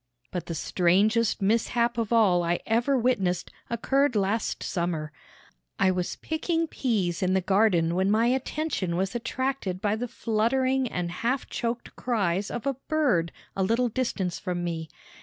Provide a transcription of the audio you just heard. But the strangest mishap of all I ever witnessed occurred last summer. I was picking peas in the garden when my attention was attracted by the fluttering and half choked cries of a bird a little distance from me.